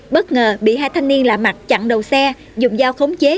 bất ngờ bị hai thanh niên lạ mặt chặn đầu xe dùng dao khống chế